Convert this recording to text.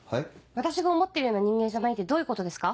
私が思っているような人間じゃないってどういうことですか？